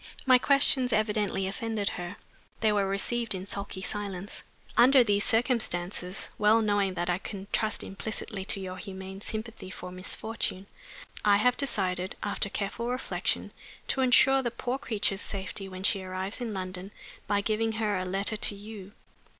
My questions evidently offended her; they were received in sulky silence. Under these circumstances, well knowing that I can trust implicitly to your humane sympathy for misfortune, I have decided (after careful reflection) to insure the poor creature's safety when she arrives in London by giving her a letter to you.